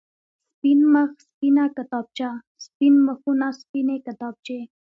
سپين مخ، سپينه کتابچه، سپين مخونه، سپينې کتابچې.